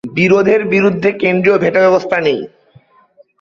"বিরোধের বিরুদ্ধে" কেন্দ্রীয় ভেটো ব্যবস্থা নেই।